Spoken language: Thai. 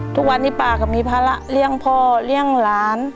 ทุกวันนี้ป้าก็มีภาระเลี้ยงพ่อเลี้ยงหลาน